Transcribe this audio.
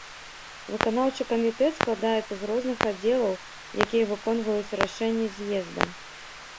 Выканаўчы камітэт складаецца з розных аддзелаў, якія выконваюць рашэнні з'езда.